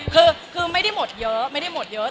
คือไม่ได้หมดเยอะไม่ได้หมดเยอะ